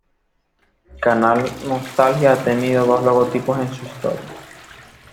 Canal Nostalgia ha tenido dos logotipos en su historia.